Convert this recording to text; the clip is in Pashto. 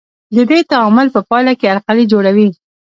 د دې تعامل په پایله کې القلي جوړوي.